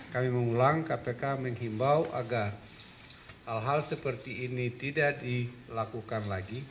kami mengulang kpk menghimbau agar hal hal seperti ini tidak dilakukan lagi